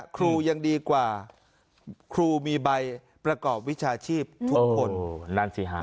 ครูยังดีกว่าครูมีใบประกอบวิชาชีพทุกคนนั่นสิฮะ